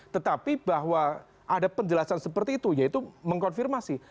tetapi bahwa ada penjelasan seperti itu yaitu mengkonfirmasi